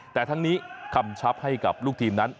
แต่ทั้งนี้คำชับให้กับลูกทีมนั้น